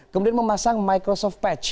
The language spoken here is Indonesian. kemudian memasang microsoft patch